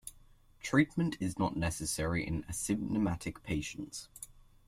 Treatment is not necessary in asymptomatic patients.